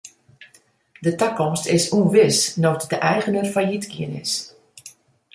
De takomst is ûnwis no't de eigener fallyt gien is.